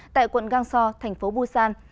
tại quận gangseo thành phố busan